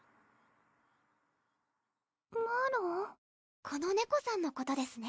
マロンこのネコさんのことですね？